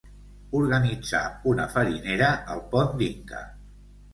Organitzà una farinera al Pont d'Inca.